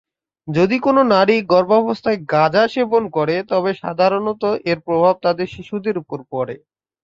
যদি কোন নারী গর্ভাবস্থায় গাঁজা সেবন করে তবে সাধারণত এর প্রভাব তাদের শিশুদের উপরও পড়ে।